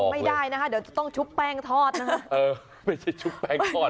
ไม่ได้นะคะเดี๋ยวจะต้องชุบแป้งทอดนะคะเออไม่ใช่ชุบแป้งทอด